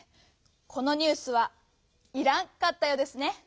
このニュースは「いらん」かったようですね！